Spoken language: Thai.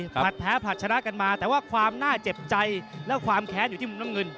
ผลัดแพ้ผลัดชนะกันมาแต่ว่าความน่าเจ็บใจและความแค้นอยู่ที่มุมน้ำเงิน